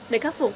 để khắc phục